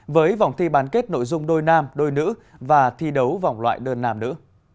với vòng thi bán kết nội dung đôi nam đôi nữ và thi đấu vòng loại đơn nam nữ